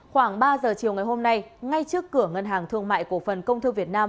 khoảng ba giờ chiều ngày hôm nay ngay trước cửa ngân hàng thương mại cổ phần công thương việt nam